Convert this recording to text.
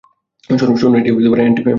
শোনো, এটা এনটিএসবি এর কাজ।